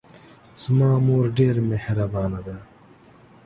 زما مور ډېره محربانه ده